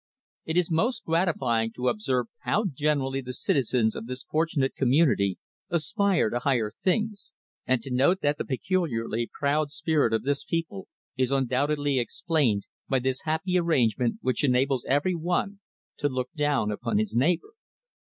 It is most gratifying to observe how generally the citizens of this fortunate community aspire to higher things; and to note that the peculiarly proud spirit of this people is undoubtedly explained by this happy arrangement which enables every one to look down upon his neighbor.